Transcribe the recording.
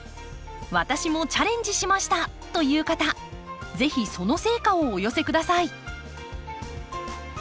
「私もチャレンジしました」という方是非その成果をお寄せ下さい。